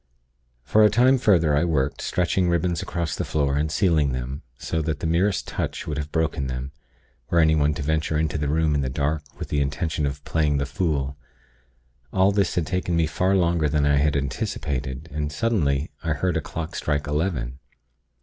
"For a time further, I worked, stretching ribbons across the floor, and sealing them, so that the merest touch would have broken them, were anyone to venture into the room in the dark with the intention of playing the fool. All this had taken me far longer than I had anticipated; and, suddenly, I heard a clock strike eleven.